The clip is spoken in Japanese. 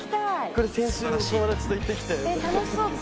「これ先週友達と行ってきたやつ」